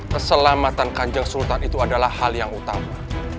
keselamatan kanjeng sultan itu adalah hal yang utama